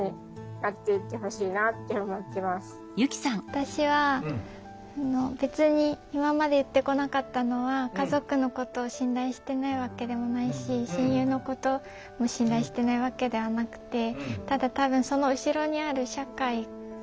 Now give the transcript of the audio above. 私は別に今まで言ってこなかったのは家族のことを信頼してないわけでもないし親友のことも信頼してないわけではなくて。